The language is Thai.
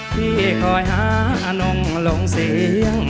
ที่คอยหานุ่งลงเสียงนา